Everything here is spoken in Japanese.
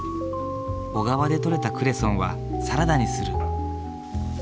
小川で取れたクレソンはサラダにする。